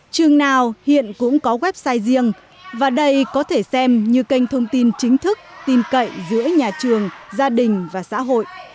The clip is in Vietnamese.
trường nào hiện cũng có website riêng và đây có thể xem như kênh thông tin chính thức tin cậy giữa nhà trường gia đình và xã hội